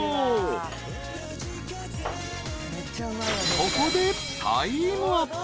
［ここでタイムアップ。